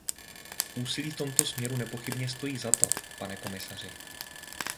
Úsilí v tomto směru nepochybně stojí za to, pane komisaři.